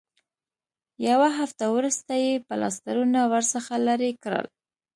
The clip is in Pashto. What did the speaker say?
یوه هفته وروسته یې پلاسټرونه ورڅخه لرې کړل.